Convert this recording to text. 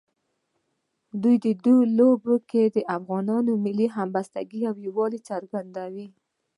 د دوی په لوبو کې د افغانانو ملي همبستګۍ او یووالي څرګندوي.